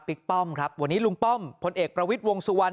ป้อมครับวันนี้ลุงป้อมพลเอกประวิทย์วงสุวรรณ